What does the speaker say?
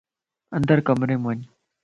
اندر ڪمريءَ مَ وڃ